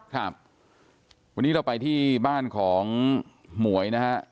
ครับวันนี้เราไปที่บ้านของหมวยนะฮะ